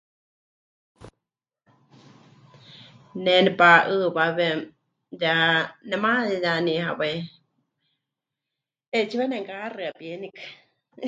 Ne nepa'ɨɨwawe ya nemanuyeyaní hawai 'eetsiwa nemɨkahaxɨapienikɨ.